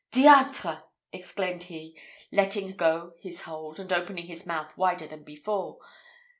'Diantre!' exclaimed he, letting go his hold, and opening his mouth wider than before.